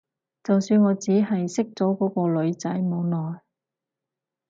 就算我只係識咗嗰個女仔冇耐